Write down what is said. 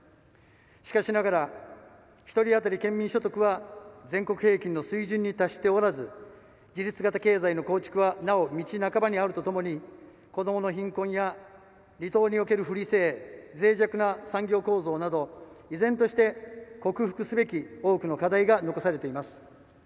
しかしながら一人当たり県民所得は全国平均の水準に達しておらず自立型経済の構築はなお道半ばにあるとともに子どもの貧困や離島における不利性ぜい弱な産業構造など依然として、克服すべき多くの課題が残されています。